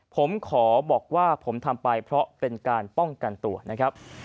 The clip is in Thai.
ผมขอบอกว่าผมทำไปเพราะเป็นการป้องกันตัวนะครับ